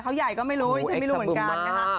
เขาใหญ่ก็ไม่รู้ดิฉันไม่รู้เหมือนกันนะคะ